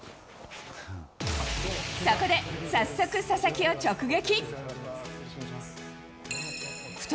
そこで早速、佐々木を直撃。